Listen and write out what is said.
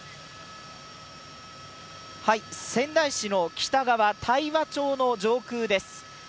仙台市の北側、大和町の上空です。